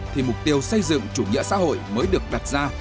thì mục tiêu xây dựng chủ nghĩa xã hội mới được đặt ra